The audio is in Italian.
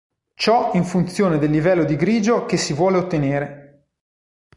Ciò in funzione del livello di grigio che si vuole ottenere.